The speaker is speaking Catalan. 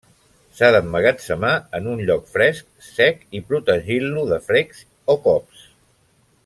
S'ha d'emmagatzemar en un lloc fresc, sec, i protegint-lo de frecs o cops.